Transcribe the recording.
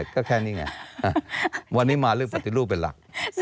ก็แค่นี้ไงวันนี้มาเรื่องปฏิรูปเป็นหลัก